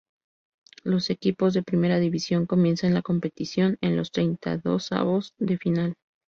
Los equipos de Primera División comienzan la competición en los treintaidosavos de final.